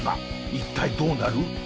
一体どうなる？